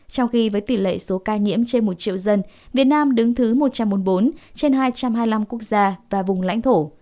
trong khi với tỷ lệ số ca nhiễm trên một triệu dân việt nam đứng thứ một trăm bốn mươi bốn trên hai trăm hai mươi năm quốc gia và vùng lãnh thổ